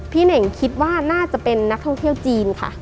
เน่งคิดว่าน่าจะเป็นนักท่องเที่ยวจีนค่ะ